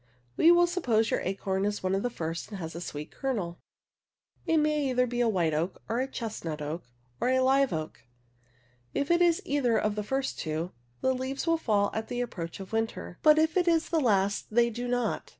We will suppose your acorn is one of the first and has a sweet kernel. It may be either a white oak, a chestnut oak, or a live oak. If it is either of the first two, the leaves will fall at the approach of winter, but if it is the last they do not.